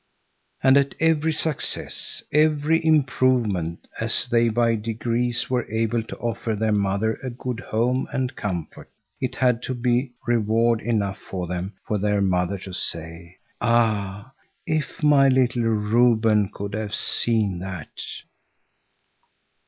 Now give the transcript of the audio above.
And at every success, every improvement, as they by degrees were able to offer their mother a good home and comfort, it had to be reward enough for them for their mother to say: "Ah, if my little Reuben could have seen that!"